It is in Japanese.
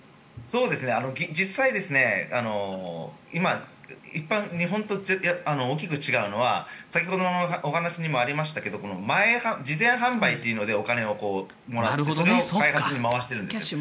実際日本と大きく違うのは先ほどのお話にもありましたが事前販売というのでお金をもらってそれを開発に回しているんです。